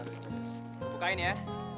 pak bukain ya